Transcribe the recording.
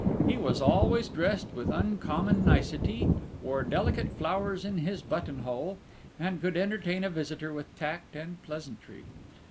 He was always dressed with uncommon nicety, wore delicate flowers in his button hole, and could entertain a visitor with tact and pleasantry.